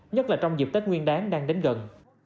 nhất là trong dịp tết nguyên đáng đang đến gần